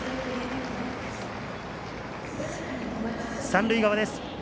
三塁側です。